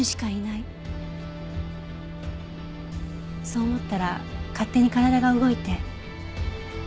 そう思ったら勝手に体が動いて。